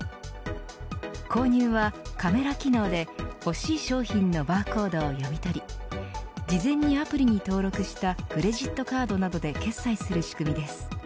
購入はカメラ機能で欲しい商品のバーコードを読み取り事前にアプリに登録したクレジットカードなどで決済する仕組みです。